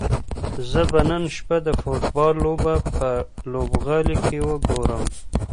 زه به نن شپه د فوټبال لوبه په لوبغالي کې وګورم.